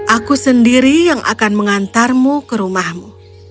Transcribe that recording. aku sendiri yang akan mengantarmu ke rumahmu